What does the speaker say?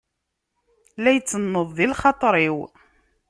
La itenneḍ di lxaṭeṛ-iw.